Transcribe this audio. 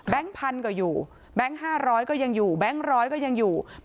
พันก็อยู่แบงค์๕๐๐ก็ยังอยู่แบงค์ร้อยก็ยังอยู่